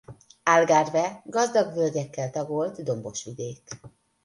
Algarve gazdag völgyekkel tagolt dombos vidék.